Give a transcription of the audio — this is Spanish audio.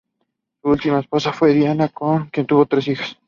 Su última esposa fue Dianna, con quien tuvo tres hijas.